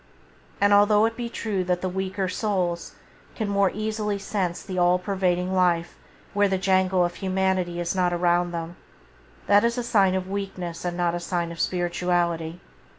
And although it be true that the weaker souls can more easily sense the all pervading life where the jangle of humanity is not around them, that is a sign of weakness and not a sign of spirituality.